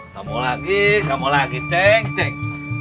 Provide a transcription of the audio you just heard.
kamu lagi kamu lagi cek cek